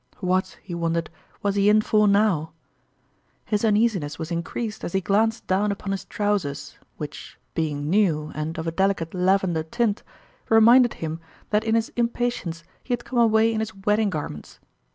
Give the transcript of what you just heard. " What," he won dered, " was he in for now ?" His uneasiness was increased as he glanced down upon his trousers, which, being new and of a delicate lavender tint, reminded him that in his impa tience he had come away in his wedding gar ments.